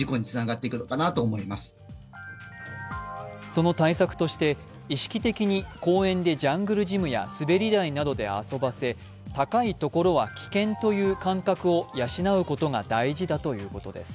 その対策として、意識的に公園でジャングルジムや滑り台などで遊ばせ高いところは危険という感覚を養うことが大事だということです。